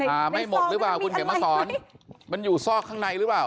ไม่หมดหรือเปล่าคุณเขียนมาสอนมันอยู่ซอกข้างในหรือเปล่า